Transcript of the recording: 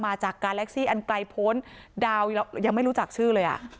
มาจากการแล็กซี่อันไกลพ้นดาวยังไม่รู้จักชื่อเลยอ่ะ